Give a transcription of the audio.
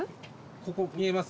ここ見えます？